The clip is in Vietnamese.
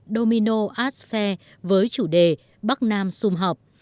domino arts fair với chủ đề bắc nam xung hợp